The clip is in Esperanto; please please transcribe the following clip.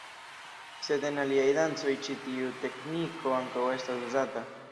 Sed en aliaj dancoj ĉi tiu teĥniko ankaŭ estas uzata.